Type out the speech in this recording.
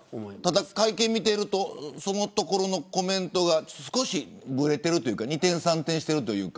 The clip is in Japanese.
ただ、会見を見ているとそのところのコメントが少しぶれているというか二転三転してるというか。